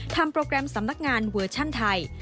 โปรแกรมสำนักงานเวอร์ชั่นไทย